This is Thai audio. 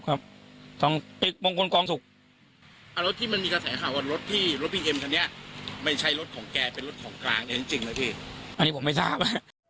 อันนี้ผมไม่ทราบ